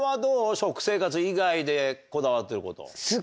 食生活以外でこだわってること。